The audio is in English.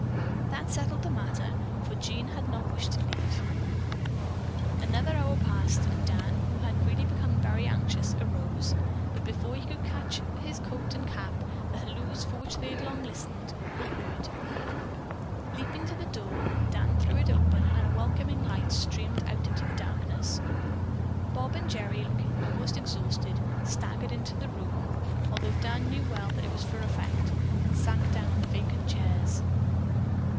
That settled the matter, for Jean had not wished to leave. Another hour passed, and Dan, who had really become very anxious, arose, but before he could get his coat and cap, the halloos for which they had long listened were heard. Leaping to the door, Dan threw it open and a welcoming light streamed out into the darkness. Bob and Gerry, looking almost exhausted, staggered into the room (although Dan well knew that it was for effect) and sank down on the vacant chairs.